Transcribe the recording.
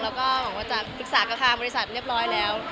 และก็หลอกว่าจะศึกษากราคาบริษัทเรียบร้อยแล้ว